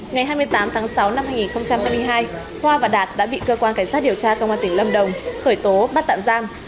ngày hai mươi tám tháng sáu năm hai nghìn hai mươi hai khoa và đạt đã bị cơ quan cảnh sát điều tra công an tỉnh lâm đồng khởi tố bắt tạm giam